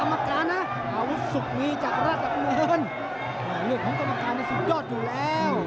อาวุธสุขมีจากราชกรรมเงินนะคะในสุดยอดอยู่แล้ว